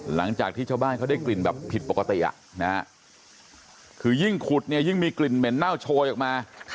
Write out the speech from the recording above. หลังจากที่ชาวบ้านเขาได้กลิ่นแบบผิดปกติคือยิ่งขุดเนี่ยยิ่งมีกลิ่นเหม็นเน่าโชยออกมา